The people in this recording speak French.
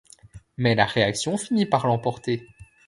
Mais la réaction finit par l'emporter.